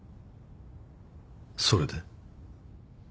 それで？